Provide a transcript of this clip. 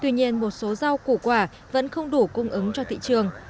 tuy nhiên một số rau củ quả vẫn không đủ cung ứng cho thị trường